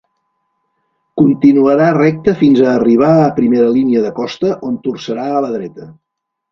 Continuarà recte fins a arribar a primera línia de costa, on torçarà a la dreta.